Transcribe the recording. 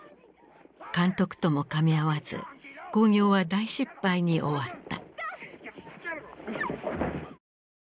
監督ともかみ合わず興行は大失敗に終わった。